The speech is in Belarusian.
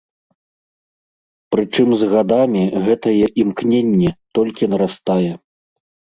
Прычым з гадамі гэтае імкненне толькі нарастае.